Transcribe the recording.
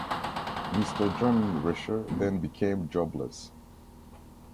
Mr Jean Recher then became jobless.